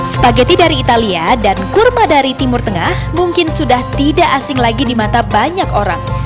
spageti dari italia dan kurma dari timur tengah mungkin sudah tidak asing lagi di mata banyak orang